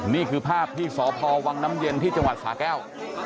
นี่คือภาพที่สพวังน้ำเย็นที่จังหวัดสาแก้ว